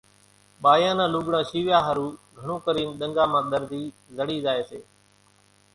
ٻايان نان لوڳڙان شيويا ۿارُو گھڻون ڪرين ۮنڳا مان ۮرزي زڙي زائي سي